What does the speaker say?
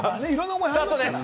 スタートです。